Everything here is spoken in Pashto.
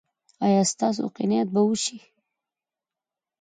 ایا ستاسو قناعت به وشي؟